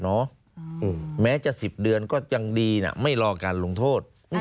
แม้จะ๑๐เดือนก็ยังดีนะไม่รอการลงโทษ